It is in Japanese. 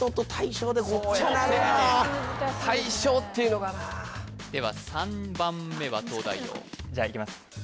やっぱ大賞っていうのがなでは３番目は東大王じゃあいきます